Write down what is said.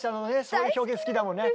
そういう表現好きだもんね。